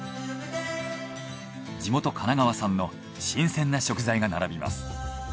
地元神奈川産の新鮮な食材が並びます。